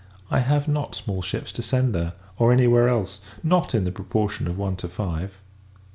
I have not small ships to send there, or any where else; not in the proportion of one to five.